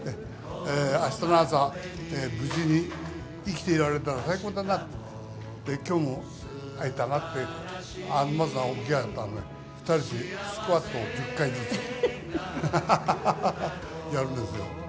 あしたの朝、無事に生きていられたら最高だなって、きょうも会えたなって、まず起き上がったら、２人してスクワットを１０回ずつ、やるんですよ。